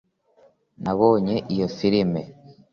nabonye iyo firime